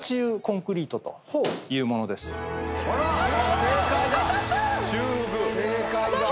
正解だ。